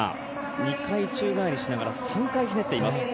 ２回宙返りしながら３回ひねっています。